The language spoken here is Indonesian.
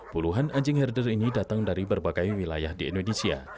puluhan anjing herder ini datang dari berbagai wilayah di indonesia